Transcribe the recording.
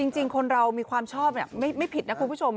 จริงคนเรามีความชอบไม่ผิดนะคุณผู้ชม